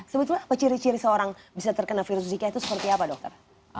sebetulnya apa ciri ciri seorang bisa terkena virus zika itu seperti apa dokter